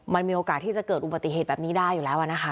มันมีโอกาสที่จะเกิดอุบัติเหตุแบบนี้ได้อยู่แล้วนะคะ